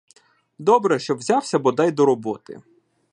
Добре, що взявся бодай до роботи.